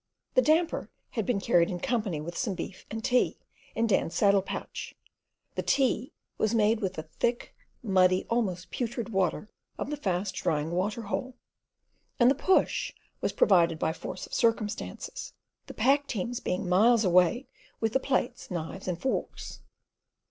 The damper had been carried in company with some beef and tea, in Dan's saddle pouch; the tea was made with the thick, muddy, almost putrid water of the fast drying water hole, and the "push" was provided by force of circumstances, the pack teams being miles away with the plates, knives, and forks.